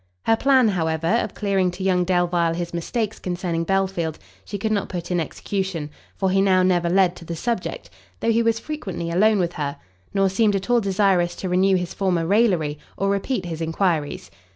Her plan, however, of clearing to young Delvile his mistakes concerning Belfield, she could not put in execution; for he now never led to the subject, though he was frequently alone with her, nor seemed at all desirous to renew his former raillery, or repeat his enquiries.